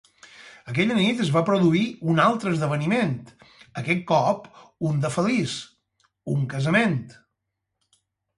Aquella nit es va produir un altre esdeveniment, aquest cop un de feliç: un casament.